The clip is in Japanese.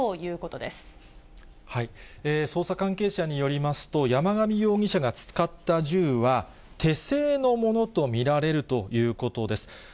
捜査関係者によりますと、山上容疑者が使った銃は、手製のものと見られるということです。